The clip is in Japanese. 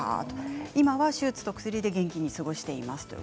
今は手術と薬で元気に過ごしています。